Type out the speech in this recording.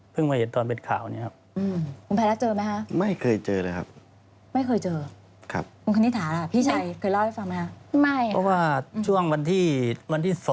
เพิ่งมาเห็นตอนเป็นข่าวนี้ครับ